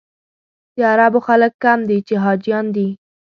د عربو خلک کم دي چې حاجیان دي.